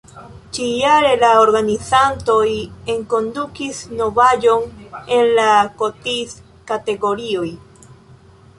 Ĉi-jare la organizantoj enkondukis novaĵon en la kotiz-kategorioj.